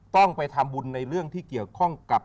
ต้องไปทำบุญในเรื่องที่เกี่ยวข้องกับ